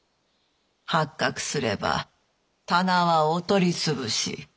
発覚すれば店はお取り潰し。